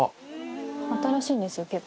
新しいんですよ結構。